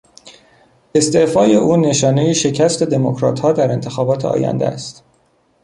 استعفای او نشانهی شکست دموکراتها در انتخابات آینده است.